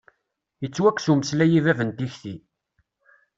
Yettwakkes umeslay i bab n tikti.